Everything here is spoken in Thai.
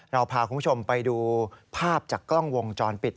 เราพาคุณผู้ชมไปดูภาพจากกล้องวงจรปิด